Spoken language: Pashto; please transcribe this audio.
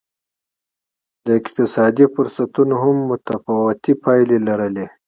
د اقتصادي فرصتونو هم متفاوتې پایلې لرلې.